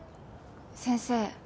先生